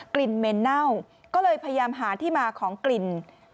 กลิ่นเหม็นเน่าก็เลยพยายามหาที่มาของกลิ่น